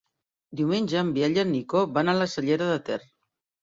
Diumenge en Biel i en Nico van a la Cellera de Ter.